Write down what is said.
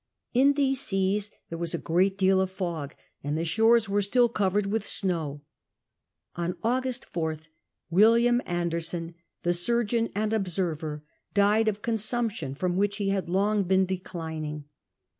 In these seas there was a great deal of fog, and the shores were still covered with snow. On August 4th, William Anderson, the surgeon and observer, died of consumption from which he had long been <leclining.